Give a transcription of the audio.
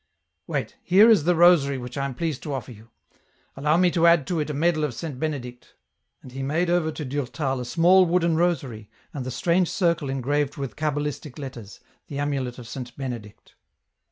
" Wait, here is the rosary which I am pleased to offer you. Allow me to add to it a medal of Saint Benedict." And he made over to Durtal a small wooden rosary, and the strange circle engraved with cabalistic letters, the amulet of Saint Benedict.